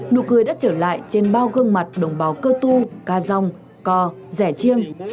nụ cười đã trở lại trên bao gương mặt đồng bào cơ tu ca giong co rẻ chiêng